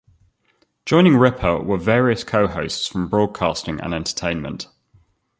Joining Ripa were various co-hosts from broadcasting and entertainment.